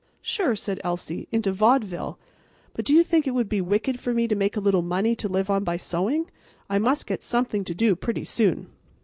"Sure," said Elsie. "Into vaudeville. But do you think it would be wicked for me to make a little money to live on by sewing? I must get something to do pretty soon."